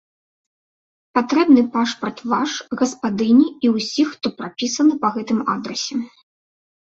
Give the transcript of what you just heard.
Патрэбны пашпарт ваш, гаспадыні і ўсіх, хто прапісаны па гэтым адрасе.